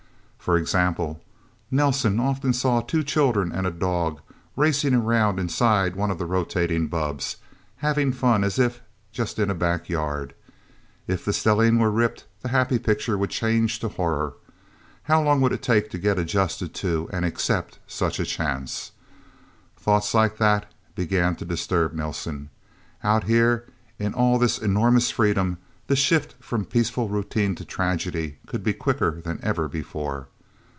For example, Nelsen often saw two children and a dog racing around inside one of the rotating bubbs having fun as if just in a back yard. If the stellene were ripped, the happy picture would change to horror... How long would it take to get adjusted to and accept such a chance? Thoughts like that began to disturb Nelsen. Out here, in all this enormous freedom, the shift from peaceful routine to tragedy could be quicker than ever before.